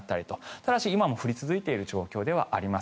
ただし今も降り続いている状況ではあります。